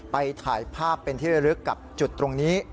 ถ่ายภาพเป็นที่ระลึกกับจุดตรงนี้